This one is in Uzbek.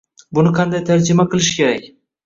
Buni qanday tarjima qilish kerak?